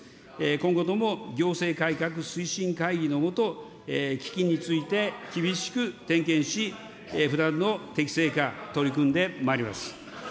今後とも行政改革推進会議のもと、基金について厳しく点検し、不断の適正化、取り組んでまいります。